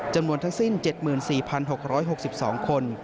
จำนวนทั้งสิ้น๗๔๖๖๒คน